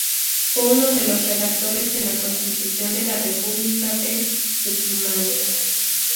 Fue uno de los redactores de la constitución de la República de Tucumán.